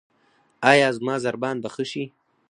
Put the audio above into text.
ایا زما ضربان به ښه شي؟